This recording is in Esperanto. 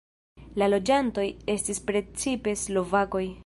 La loĝantoj estis precipe slovakoj.